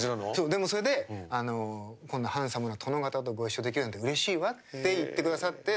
こんなハンサムな殿方とご一緒できるなんてうれしいわって言ってくださって。